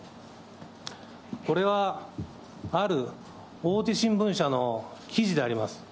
これは、ある大手新聞社の記事であります。